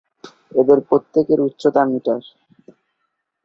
এদের প্রত্যেকের উচ্চতা মিটার।